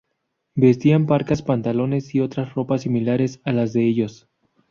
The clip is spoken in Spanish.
Vestían parcas, pantalones y otras ropas similares a las de ellos.